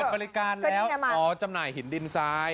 เปิดบริการแล้วอ๋อจำหน่ายหินดินซ้าย